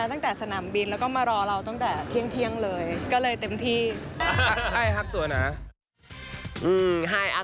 ออกงานคู่กันครั้งแรกด้วยเนาะ